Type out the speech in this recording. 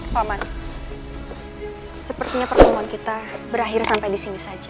paman sepertinya pertemuan kita berakhir sampai disini saja